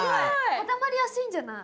固まりやすいんじゃない？